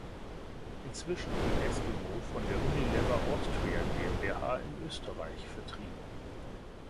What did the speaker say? Inzwischen wird Eskimo von der "Unilever Austria GmbH" in Österreich vertrieben.